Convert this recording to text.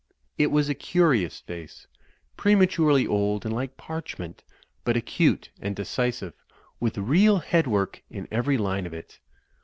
It was a curious face, prematurely old and like parchment, but acute and decisive, with real headwork in every line of it.